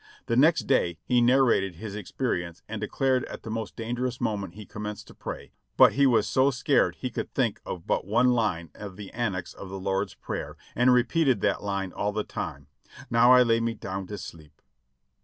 The next day he narrated his experience and declared at the most dangerous moment he commenced to pray, but he was so scared he could think of but one line of the annex 630 JOHNNY RKB AND BILLY YANK to the Lord's Prayer, and repeated that h'ne all the time, *'No\v I lay me down to sleep."